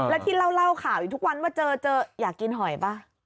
แล้วที่เล่าข่าวอยู่ทุกวันว่าเจอเจออยากกินหอยป่ะ